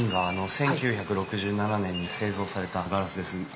１９６７年に製造されたガラスです。